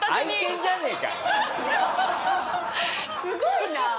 すごいな。